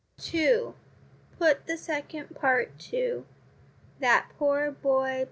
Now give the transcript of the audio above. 2. Put the second part to That poor boy